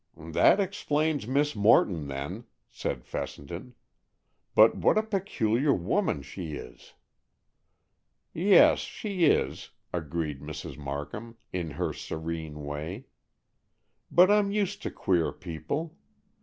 "That explains Miss Morton, then," said Fessenden. "But what a peculiar woman she is!" "Yes, she is," agreed Mrs. Markham, in her serene way. "But I'm used to queer people.